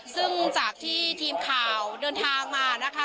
ซึ่งจากที่ทีมข่าวเดินทางมานะคะ